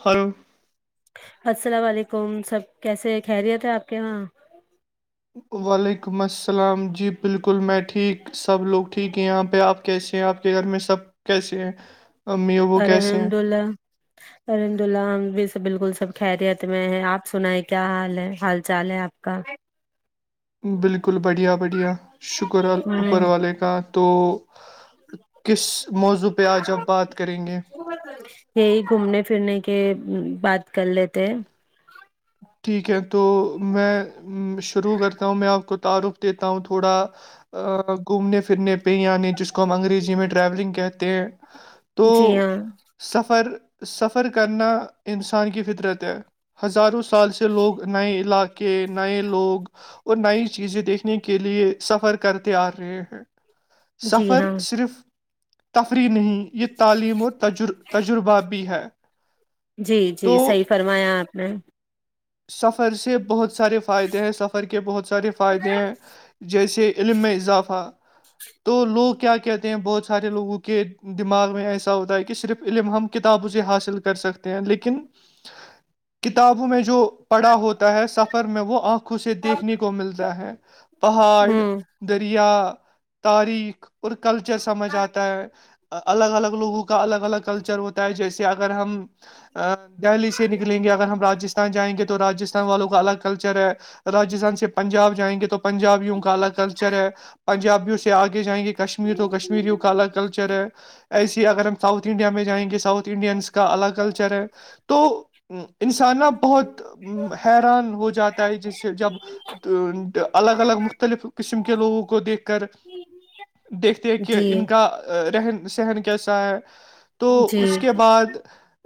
Hello السلام علیکم سب کیسے ہیں خیریت ہے آپ کے وہاں وعلیکم السلام جی بالکل میں ٹھیک سب لوگ ٹھیک ہیں یہاں پہ آپ کیسے ہیں آپ کے گھر میں سب کیسے ہیں امی ابو کیسے ہیں الحمد اللہ الحمد اللہ ہم بھی سب بالکل سب خیریت میں ہے آپ سنے ہے کیا حال ہے حال چال ہے آپ کا بالکل بڑھیا بڑھیا شکر اپر ہوں والا کہ تو کس موضوع پہ آج آپ بات کرینگیا یہی گھومنے پھرنے کے بات کر لیتے ہیں ٹھیک ہے تو میں شروع کرتا ہوں میں آپ کو تعارف دیتا ہوں تھوڑا ا گھومنے پھرنے یعنی جس کو ہم انگریزی میں ٹراوللنگ کہتے ہیں تو جی ہاں سفر سفر کرنا انسان کی فطرت ہے ہزاروں سے سال سے لوگ نئے علاقے نئے لوگ اور نئی چیزیں دیکھنے کے لیے سفر کرتے آ رہے ہیں جی سفر ہاں صرف تفریح نہیں یہ تعلیم اور تج تجربہ بھی ہے جی جی تو صحیح فرمایا آپ نے سفر سے بہت سارے فائدے ہیں سفر کے بہت سارے فائدے ہیں جیسے علم میں اضافہ تو لوگ کیا کہتے ہیں بہت سارے لوگوں کے دماغ میں ایسا ہوتا ہے کہ صرف علم ہم کتابوں سے حاصل کر سکتے ہیں لیکن کتابوں میں جو پڑا ہوتا ہے سفر میں وہ آنکھوں سے دیکھنے کو ملتا ہے پہاڑ ہوں دریا تاریخ اور کلچر سمجھ آتا ہے الگ الگ لوگوں کو الگ الگ کلچر ہوتا ہے جیسے اگر ہم دہلی سے نکلیں گے اگر ہم راجستان راجستان والوں کا الگ کلچر ہے راجستان سے پنجاب جائیں گے تو پنجابیوں کا الگ کلچر ہے پنجابیوں سے اگے جائیں گی کشمیر تو کشمیریوں کا الگ کلچر ہے ایسی اگر ہم ساؤتھ انڈیا میں جائیں گے ساؤتھ انڈینس کا الگ کلچر ہے تو انسانوں بہت حیران ہو جاتا ہے جسے جب الگ الگ مختلف قسم کے لوگوں کو دیکھ کر دیکھتے ہیں کہ جی ان کا رہن سہن کیسا ہے تو جی اس کے بعد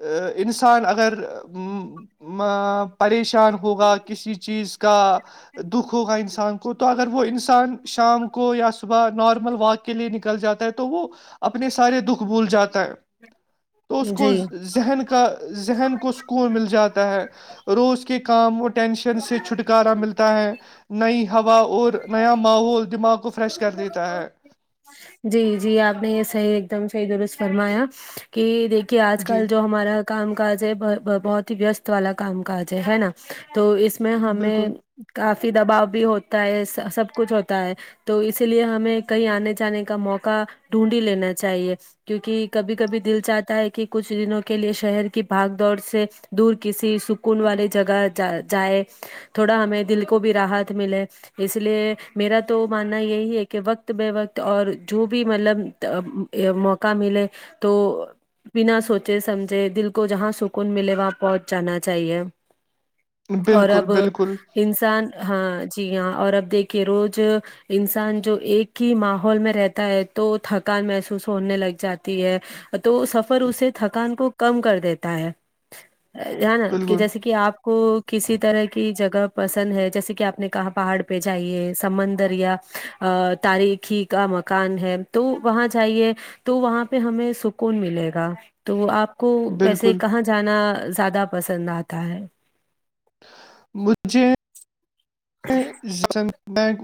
ا انسان اگر م پریشان ہوگا کسی چیز کا دکھ ہوگا انسان کو تو اگر وہ انسان شام کو یا صبح نارمل واک کے لیے نکل جاتا ہے تو وہ اپنے سارے دکھ بھول جاتا ہے تو اس کو جی زے ذہن کا ذہن کو سکون مل جاتا ہے روز کے کام و ٹینشن سے چھٹکارا ملتا ہے نئی ہوا اور نیا ماحول دماغ کو فریش کر دیتا ہے جی جی آپ نے یہ صحیح ایک دم صحیح درست فرمایا کہ دیکھیے آج جی کل جو ہمارا کام کاج ہے بھر باہر بہت ہی ویست والا کام کاج ہے ہے نا تو اس میں ہمیں بالکل کافی دباؤ بھی ہوتا ہے سا سب کچھ ہوتا ہے تو اسی لیے ہمیں کہیں آنے جانے کا موقع ڈھونڈی لینا چاہیے کیونکہ کبھی کبھی دل چاہتا ہے کہ کچھ دنوں کے لیے شہر کی بھگ دور سے دور کسی سکون والی جگہ جا جائے تھوڑا ہمیں دل کو بھی راحت ملے اس لیے میرا تو ماننا یہ ہی ہے کہ وقت بے وقت اور جو بھی مطلب اب موقع ملے تو بنا سوچے سمجھے دل کو جہاں سکون ملے وہاں پہنچ جانا چاہیے اور بالکل اب بالکل انسان ہاں جی ہاں اور اب دیکھیے روز انسان جو ایک ہی ماحول میں رہتا ہے تو تھکان محسوس ہونے لگ جاتی ہے تو سفر اسے تھکان کو کم کر دیتا ہے جا نا کہ بالکل جیسے کہ آپ کو کسی طرح کی جگہ پسند ہے جیسے کہ آپ نے کہاں پہاڑ پہ جائیے سمندر یا تاریخی کام کان ہے تو وہاں جائیے تو وہاں پہ ہمیں سکون ملے گا تو آپ کو ویسے بالکل کہاں جانا زیادہ پسند آتا ہے مجھے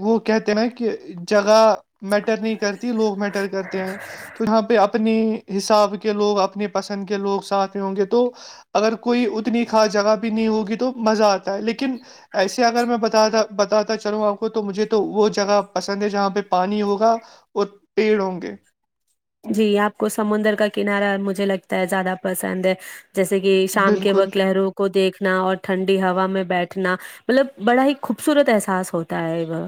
وہ کہتے نہ کہ جگہ میٹر نہیں کرتی لوگ میٹر کرتے ہیں تو یہاں پہ آپ اپنے حساب کے لوگ اپنے پسند کے لوگ ساتھ میں ہوں گے تو اگر کوئی اتنی خاص جگہ بھی نہیں ہوگی تو مزہ آتا ہے لیکن ایسے اگر میں بتا تھا بتاتا چلوں آپ کو تو مجھے تو وہ جگہ پسند ہے جہاں پہ پانی ہوگا اور پڑھ ہونگے جی آپ کو سمندر کا کنارہ مجھے لگتا ہے زیادہ پسند ہے جیسے کہ شام کے بالکل وقت لہروں کو دیکھنا اور ٹھنڈی ہوا میں بیٹھنا مطلب بڑا ہی خوبصورت احساس ہوتا ہے وہ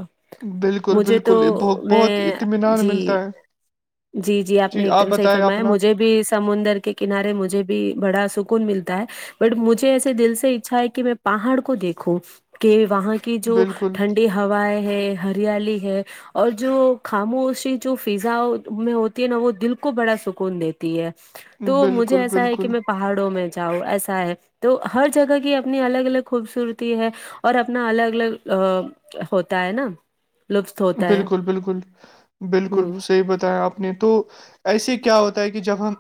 بالکل مجھے تو بالکل بہت بہت میں اطمینان جی ملتا ہے جی جی آپ نے ایک دم صحیح فرمایا مجھے بھی سمندر کے کنارے مجھے بھی بڑا سکون ملتا ہے بٹ مجھے ایسے دل سے اچھا ہے کہ میں پہاڑ کو دیکھوں کہ وہاں کہ جو بالکل ٹھنڈی ہے ہوائ ہے ہریالی ہے اور جو خاموشی جو فضا میں ہوتی ہے نا وہ دل کو بڑا سکون دیتی ہے تو مجھے بالکل ایسا ہے بالکل کہ میں پہاڑوں میں جاؤ ایسا ہے تو ہر جگہ کی اپنی الگ الگ خوبصورتی ہے اور اپنا الگ الگ ا ہوتا ہے نا لطف ہوتا ہے ہ بالکل بالکل بالکل صحی بتایا آپ نے تو ایسے ہی کیا ہوتا ہے کہ جب ہم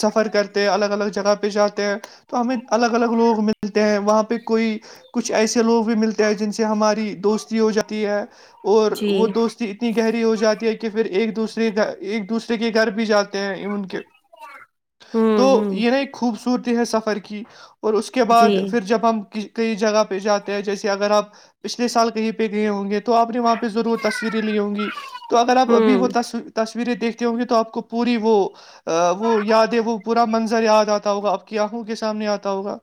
سفر کرتے ہیں الگ الگ جگہ پہ جاتے ہیں تو ہمیں الگ الگ لوگ ملتے ہیں وہاں پہ کوئی کچھ ایسے لوگ بھی ملتے ہیں جن سے ہماری دوستی ہو جاتی ہے اور وہ دوستی اتنی گہری ہو جاتی ہے کہ پھر ایک دوسرےھر ایک دوسرے کے گھر بھی جاتے ہیں ان کے اور [unintelligible] تو یہ نہیں خوبصورتی ہے سفر کی اور اس کے جی بعد پھر جب ہم کئی جگہ پہ جاتے ہیں جیسے اگر آپ پچھلے سال کہیں پہ گئے ہوں گے تو آپ نے وہاں پے ضرور تصویریں لی ہوں گی تو اگر آپ ابھی وہ ہوں تصویر تصویریں دیکھتے ہوں گے تو آپ کو پوری وہ وہ یادیں وہ پورا منظر یاد آتا ہوگا آپ کی آنکھوں کے سامنے آتا ہوگا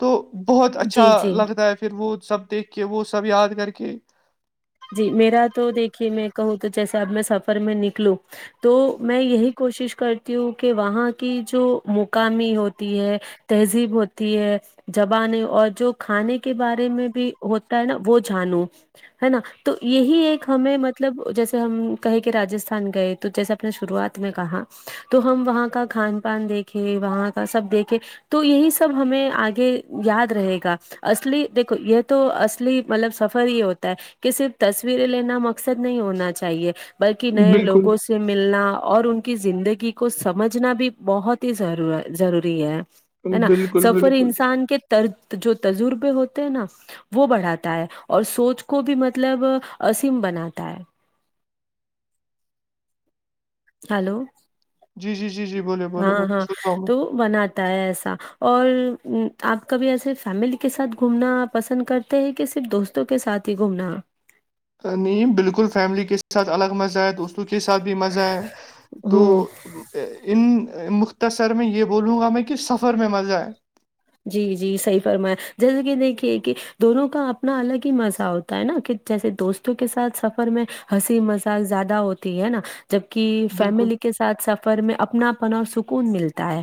تو بہت اچھا جی جی لگتا ہے پھر وہ سب دیکھ کے وہ سب یاد کر کے جی میرا تو دیکھیے میں کہوں تو جیسے اب میں سفر میں نکلوں تو میں یہی کوشش کرتی ہوں کہ وہاں کی جو مقامی ہوتی ہے تہذیب ہوتی ہے زبانیں اور جو کھانے کے بارے میں بھی ہوتا ہے نا وہ جانوں ہے نا تو یہی ایک ہمیں مطلب جیسے ہم کہے کہ راجستھان گئے تو جیسے آپ نے شروعات میں کہا تو ہم وہاں کا کھان پان دیکھے وہاں کا سب دیکھے تو یہی سب ہمیں آگے یاد رہے گا اصلی دیکھو یہ تو اصلی مطلب سفر ہی ہوتا ہے کہ صرف تصویریں لینا مقصد نہیں ہونا چاہیے بلکہ نئے بالکل لوگوں سے سے ملنا اور ان کی زندگی کو سمجھنا بھی بہت ہی ضرور ضروری ہے ہے نا بالکل سفر بالکل انسان کے تر جو تجربے ہوتے ہیں نا وہ بڑھاتا ہے اور سوچ کو بھی مت مطلب صم بناتا ہے ہلو جی جی جی جی بوولے بولے ہاں بولے ہاں سن رہا ہوں تو بناتا ہے ایسا اور آپ کبھی ایسے فیملی کے ساتھ گھومنا پسند کر تے ہے کہ صرف دوستوں کے ساتھ ہی گھومنا نہیں بالکل فیملی کے ساتھ الگ مزہ ہے دوستوں کے ساتھ بھی مزہ ہے تو ہوں ان مختصر میں یہ بولوں گا میں کہ سفر میں مزہ ہے جی جی صحیح فرمایا جیسے کہ دیکھیے کہ دونوں کا اپنا الگ ہی مزہ ہوتا ہے نا کہ جیسے دوستوں کے ساتھ سفر میں ہنسی مزاق ذیادہ ہوتی ہے نا جبکہ بالکل فیملی کے ساتھ سفر میں اپنا پن اور سکون ملتا ہے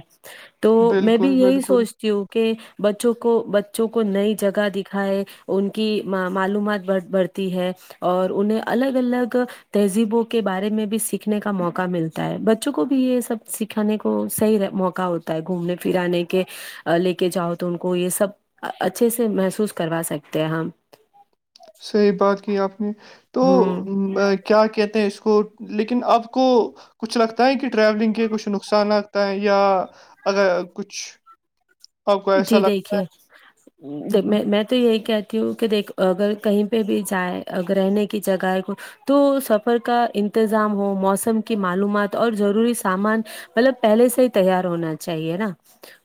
تو میں بھی بالکل یہی بالکل سوچ کیونکہ بچوں کو بچوں کو نئی جگہ دکھائے ان کی معلومات بڑ بڑھتی ہے اور انہیں الگ الگ تہذیبوں کے بارے میں بھی سیکھنے کا موقع ملتا ہے بچوں کو بھی یہ سب سیک کھانے کو صحیح موقع ہوتا ہے گھومنے پھرانے کے لے کے جاؤ تو ان کو یہ سب اچھے سے محسوس کروا سکتے ہیں ہم صحیح بات کی آپ نے تو ہ کیا کہتے ہیں اس کو لیکن آپ کو کچھ لگتا ہے کہ ٹریولنگ کے کچھ نقصانات ہے یا اگر کچھ آپ کو ایسا جی لگ دیکھیے ہوں، میں تو یہی کہتی ہوں کہ دیکھ اگر کہیں پہ بھی جائے رہنے کی جگہ ہے تو تو سفر کا انتظام ہو موسم کی معلومات اور ضروری سامان مطلب پہلے سے ہی تیار ہونا چاہیے نا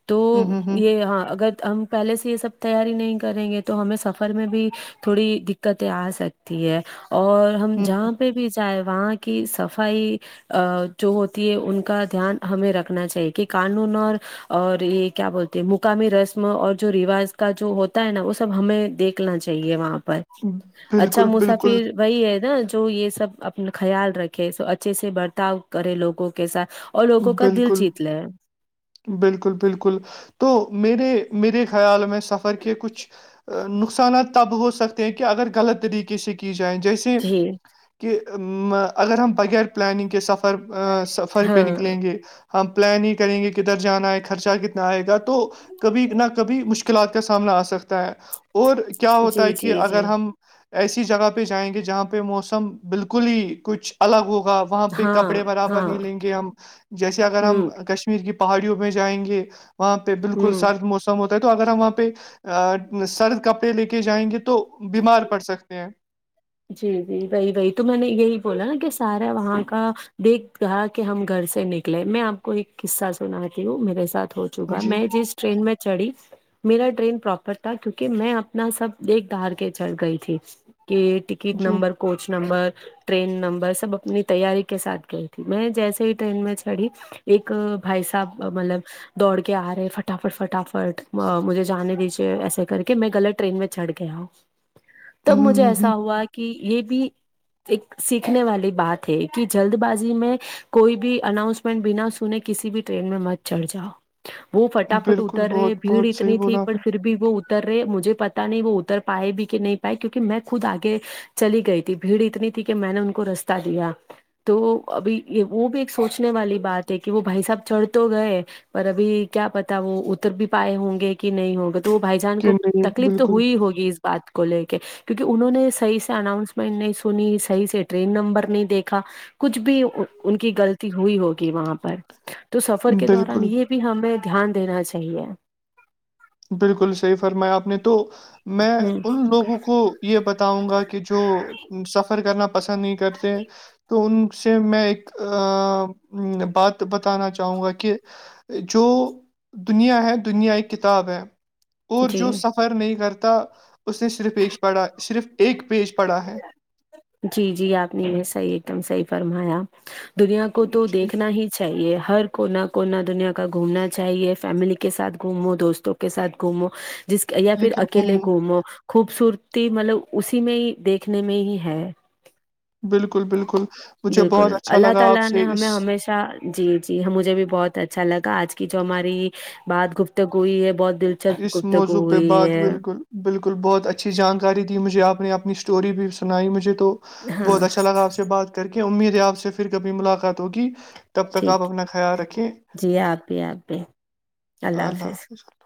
تو ہوں، ہوں، یہ ہاں اگر ہم پہلے سے یہ سب تیاری نہیں کریں گے تو ہمیں سفر میں بھی تھوڑی دقتیں آ سکتی ہے اور ہم ہوں، جہاں پہ بھی چاہے وہاں کی صفائی آ جو ہوتی ہے ان کا دھیان ہمیں رکھنا چاہیے کہ قانون اور اور یہ کیا بولتے مقامی رسم اور جو رواج کا جو ہوتا ہے نا وہ سب ہمیں دیکھنا چاہیے وہاں پر ہوں، اچھا بالکل بالکل مسافر وہی ہے نا جو یہ سب اپنا خیال رکھے س اچھے سے برتاؤ کرے لوگوں کے ساتھ اور لوگوں کا دل بالکل جیت لے بالکل بالکل تو میرے میرے خیال میں سفر کے کچھ نقصانات تب ہو سکتے ہیں کہ اگر غلط طریقے سے کیا کی جائیں جیسے جی کہ م اگر ہم بغیر پلاننگ کے سف سفر پہ ہاں نکلیں گے ہم پلان ہی کریں گے کدھر جانا ہے خرچہ کتنا آئے گا تو کبھی نہ کبھی مشکلات کا سامنا آ سکتا ہے اور کیا ہوتا جی ہے کہ جی جی اگر ہم ایسی جگہ پہ جائیں گے جہاں پہ موسم بالکل ہی کچھ الگ ہوگا وہاں پہ ہاں کپڑے برابر ہاں نہیں لیں گے ہم جیسے اگر ہم ہوں کشمیر کی پہاڑیوں میں جائیں گے وہاں پہ بالکل ہوں سرد موسم ہوتا ہے تو اگر ہم وہاں پہ سرد کپڑے لے کے جائیں گے تو بیمار پڑ سکتے ہیں جی جی وہی وہی تو میں نے یہی بولا نا کہ سارا وہاں کا دیکھ رہا کہ ہم گھر سے نہک نکلے میں آپ کو ایک قصہ سناتی ہوں میرے ساتھ ہو چکا جی میں جس ٹرین میں چڑھی میرا ٹرین پراپر تھا کیونکہ میں اپنا سب دیکھ دھار کے چڑھ گئی تھی کہ کٹ جی number coach number train number سب اپنی تیاری کے ساتھ گئی تھی میں جیسے ہی ٹرین میں چڑھی ایک بھائی صاحب مطلب دوڑ کے آ رہے فٹافٹ فٹافٹ مجھے جانے دیجیے ایسے کر کے میں غلط ٹرین میں چڑھ گیا ہو تب مجھے ہوں ہوں، ایسا ہوا کہ یہ بھی ایک سیکھنے والی بات ہے کہ جلد بازی میں کوئی بھی اناؤس بنا سنے کسی بھی ٹرین میں مت چڑھ جاؤ وہ فٹافٹ بالکل اتر رہے بہت بھیڑ بہت صحیح اتنی تھی بولا آپ پر نے پھر بھی وہ اتر رہے مجھے پتا نہیں وہ اتر پائے بھی کہ نہیں پائے کیونکہ میں خود آگے چلی گئی تھی بھیڑ اتنی تھی کہ میں نے ان کو رستہ دیا تو ابھی وہ بھی ایک سوچنے والی بات ہے کہ وہ بھائی صاحب چڑھ تو گئے پر ابھی کیا پتا وہ اتر بھی پائے ہوں گے کہ نہیں ہوگے تو بھائی جان کہ کو نہیں تکلیف تو بالکل ہوئی ہوگی اس بات کو لے کے کیونکہ انہوں نے صحیح سے اناؤنسمنٹ نہیں سنی صحیح سے ٹرین نمبر نہیں دیکھا کچھ بھی ان کی غلطی ہوئی ہوگی وہاں پر تو سفر کے دوران بالکل یہ بھی ہمیں دھیان دینا چاہیے بالکل صحیح فرمایا آپ نے تو میں ہوں ان لوگوں کو یہ بتاؤں گا کہ جو سفر کرنا پسند نہیں کرتے تو ان سے میں ایک بات بتانا چاہوں گا کہ جو دنیا ہے دنیا ہے کے تاب ہے اور جی جو سفر نہیں کرتا اس نے صرف ایک پڑھا صرف ایک پیج پڑا ہے جی جی آپ نے یہ صحیح ایک دم صحیح فرمایا دنیا کو تو جی دیکھنا ہی چاہیے ہر کونا کونا دنیا کا گھومنا چاہیے فیملی کے ساتھ گھومو دوستوں کو کے ساتھ گھومو جس یا پھر لیکن اکیلے گھوموں گھومو خوبصورتی مطلب اسی میں ہی دیکھنے میں ہی ہے بالکل بالکل مجھے بہت اچھا لگا آپ سے اس ا جی جی ہ مجھے بھی بہت اچھا لگا آج کی جو ہماری بات گفتگو ہوئی ہے بہت دلچسپ اس گفتگو موضوع پہ ہوئی بات ہے بالکل بالکل بہت اچھی جانکاری دی مجھے آپ نے اپنی اسٹوری بھی سنائی مجھے تو ہاں بہت اچھا لگا آپ سے بات کر کے امید ہے آپ سے پھر کبھی ملاقات ہوگی تب تک ٹھیک آپ ہے۔ اپنا خیال رکھے جی آپ بھی آپ بھی اللہ حافظ